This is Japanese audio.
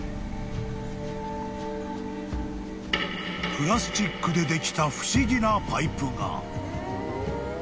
［プラスチックでできた不思議なパイプが］